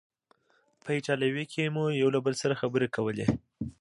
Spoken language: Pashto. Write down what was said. په ایټالوي کې مو یو له بل سره خبرې کولې.